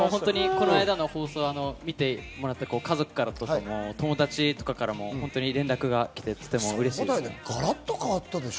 この間の放送を見てもらって、家族とか友達からも連絡が来て、とても嬉しいです。